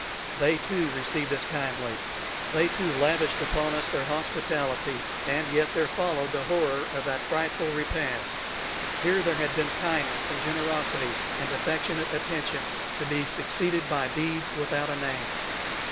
They too received us kindly, they too lavished upon us their hospitality, and yet there followed the horror of that frightful repast. Here there had been kindness and generosity and affectionate attention, to be succeeded by deeds without a name.